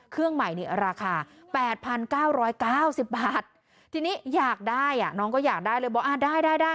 เครื่องใหม่นี่ราคา๘๙๙๐บาททีนี้อยากได้อ่ะน้องก็อยากได้เลยบอกอ่าได้ได้